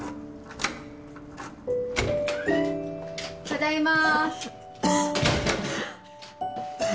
ただいま。